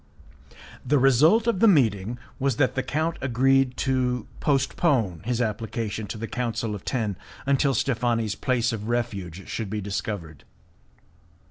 The result of the meeting was that the count agreed to postpone his application to the Council of Ten until Steffani's place of refuge should be discovered.